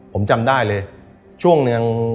ผมจำได้เลยช่วงหนึ่ง